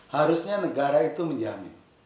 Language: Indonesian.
harusnya negara itu menjamin